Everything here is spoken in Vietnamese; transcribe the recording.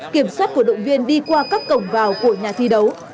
kiểm soát cổ động viên đi qua các cổng vào của nhà thi đấu